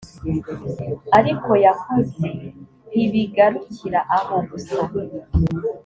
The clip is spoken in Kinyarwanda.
ariko yakoze ntibigarukira aho gusa